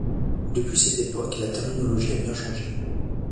Depuis cette époque, la terminologie a bien changé.